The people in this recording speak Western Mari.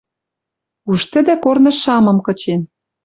Уж тӹдӹ корныш шамым кычен —